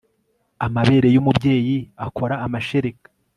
amabere y'umubyeyi akora amashereka